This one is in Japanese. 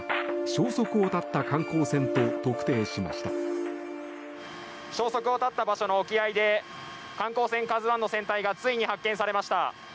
消息を絶った場所の沖合で観光船「ＫＡＺＵ１」の船体がついに発見されました。